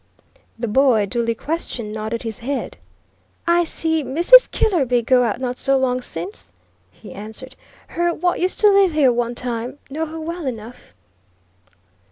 The boy, duly questioned nodded his head. "I see Mrs. Killerby go out not so long since," he answered. "Her what used to live here one time. Know her well enough."